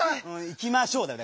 「いきましょう」だよ。